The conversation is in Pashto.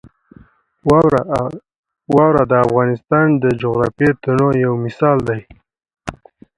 واوره د افغانستان د جغرافیوي تنوع یو مثال دی.